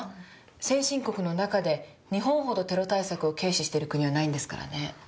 先進国の中で日本ほどテロ対策を軽視してる国はないんですからね。